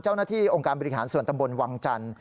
เจ้าหน้าที่องค์การบริหารส่วนตำบลวังจันทร์